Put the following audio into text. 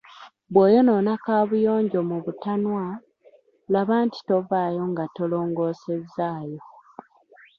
Bw‘oyonoona kabuyonjo mu butanwa, laba nti tovaayo nga tolongoosezaayo.